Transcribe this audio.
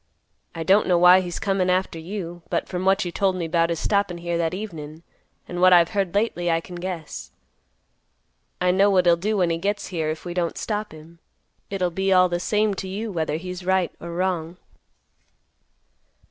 I don't know why he's comin' after you, but, from what you told me 'bout his stoppin' here that evenin', and what I've heard lately, I can guess. I know what he'll do when he gets here, if we don't stop him. It'll be all the same to you whether he's right or wrong."